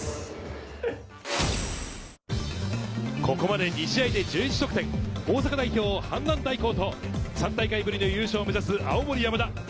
ここまで２試合で１１得点、大阪代表・阪南大高と３大会ぶりの優勝を目指す青森山田。